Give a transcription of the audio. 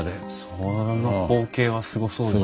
その光景はすごそうですね。